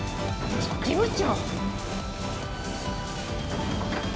事務長！